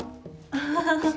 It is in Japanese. アハハハ。